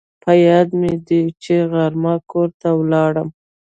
په یاد مې دي چې غرمه کور ته ولاړم